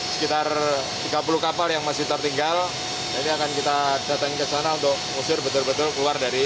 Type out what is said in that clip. sekitar tiga puluh kapal yang masih tertinggal jadi akan kita datang ke sana untuk mengusir betul betul keluar dari